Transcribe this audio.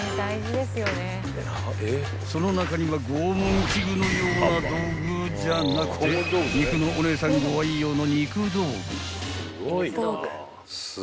［その中には拷問器具のような道具じゃなくて肉のお姉さんご愛用の］